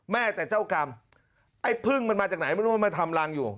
แม่แต่เจ้ากรรมไอ้พึ่งมันมาจากไหนไม่รู้มันมาทำรังอยู่